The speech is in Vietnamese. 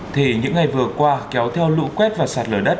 thì những ngày vừa qua kéo theo lũ quét và sạt lở đất